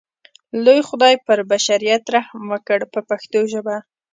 لوی خدای پر بشریت رحم وکړ په پښتو ژبه.